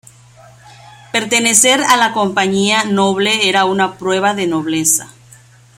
Pertenecer a la Compañía Noble era una prueba de nobleza.